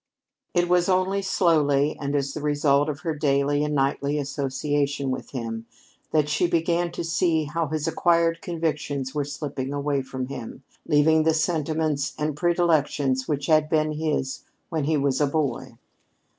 It was only slowly, and as the result of her daily and nightly association with him, that she began to see how his acquired convictions were slipping away from him, leaving the sentiments and predilections which had been his when he was a boy.